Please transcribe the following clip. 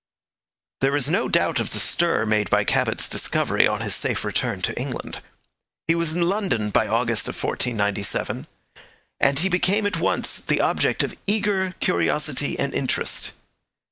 There is no doubt of the stir made by Cabot's discovery on his safe return to England. He was in London by August of 1497, and he became at once the object of eager curiosity and interest.